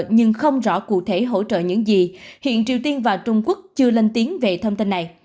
nhưng không rõ cụ thể hỗ trợ những gì hiện triều tiên và trung quốc chưa lên tiếng về thông tin này